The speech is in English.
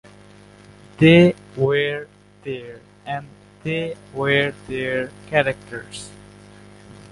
They were there, and they were their characters.